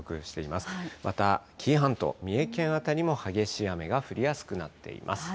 また紀伊半島、三重県辺りも激しい雨が降りやすくなっています。